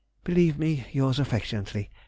Believe me yours affectionately, C.